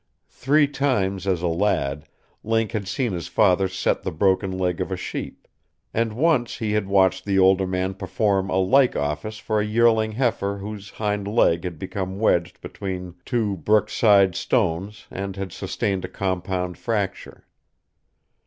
Three times as a lad Link had seen his father set the broken leg of a sheep, and once he had watched the older man perform a like office for a yearling heifer whose hind leg had become wedged between two brookside stones and had sustained a compound fracture.